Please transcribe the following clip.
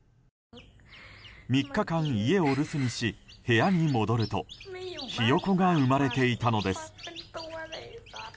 ３日間、家を留守にし部屋に戻るとヒヨコが生まれていたのです。